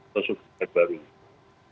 ketua subjek baru